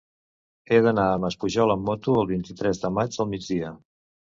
He d'anar a Maspujols amb moto el vint-i-tres de maig al migdia.